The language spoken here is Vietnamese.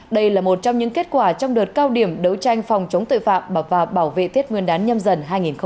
đây là một trong những kết quả trong đợt cao điểm đấu tranh phòng chống tội phạm và bảo vệ tết nguyên đán nhâm dần hai nghìn hai mươi bốn